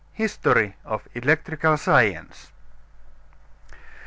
HISTORY OF ELECTRICAL SCIENCE.